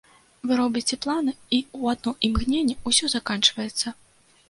Вы робіце планы, і ў адно імгненне ўсё заканчваецца.